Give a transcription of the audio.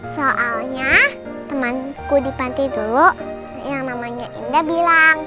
soalnya temanku di panti dulu yang namanya indah bilang